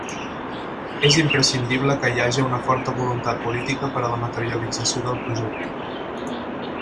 És imprescindible que hi haja una forta voluntat política per a la materialització del projecte.